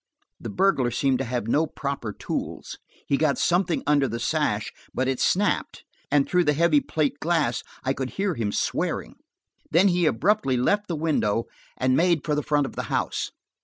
The burglar seemed to have no proper tools; he got something under the sash, but it snapped, and through the heavy plate glass I could hear him swearing. Then he abruptly left the window and made for the front of the house.